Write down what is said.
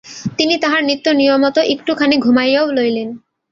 তিনি তাঁহার নিত্য নিয়মমত একটুখানি ঘুমাইয়াও লইলেন।